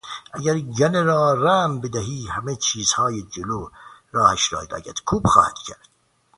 اگر گله را رم بدهی همه چیزهای جلو راهش را لگدکوب خواهد کرد.